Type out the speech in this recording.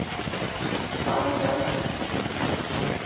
চলো, টেলস।